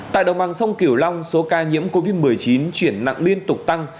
tại đồng bằng sông kiểu long số ca nhiễm covid một mươi chín chuyển nặng liên tục tăng